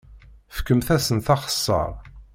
Fkemt-asent axeṣṣar.